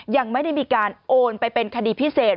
ยังไม่ได้มีการโอนไปเป็นคดีพิเศษ